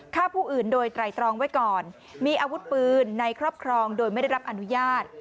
ฆ่าผู้อื่นโดยไตรตรองไว้ก่อนมีอาวุธปืนในครอบครองโดยไม่ได้รับอนุญาต